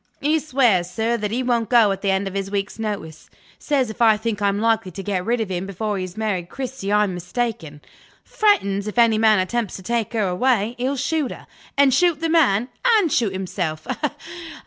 He swears, sir, that he won't go at the end of his week's notice. Says, if I think I'm likely to get rid of him before he has married Cristy, I'm mistaken. Threatens, if any man attempts to take her away, he'll shoot her, and shoot the man, and shoot himself.